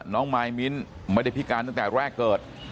น้องมายมิ้นไม่ได้พิการตั้งแต่แรกเกิด